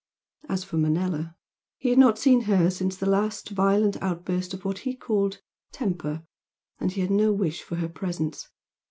As for Manella, he had not seen her since her last violent outburst of what he called "temper" and he had no wish for her presence.